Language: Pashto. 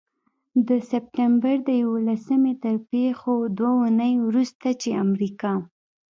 د سپټمبر د یوولسمې تر پيښو دوې اونۍ وروسته، چې امریکا